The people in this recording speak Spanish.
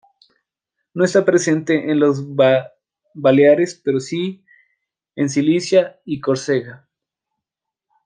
No está presente en las Baleares, pero sí en Sicilia y Córcega.